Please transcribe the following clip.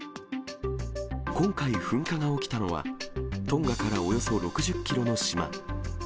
今回、噴火が起きたのは、トンガからおよそ６０キロの島。